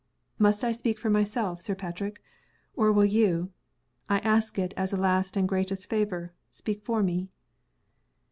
"Must I speak for myself, Sir Patrick? Or will you (I ask it as a last and greatest favor) speak for me?"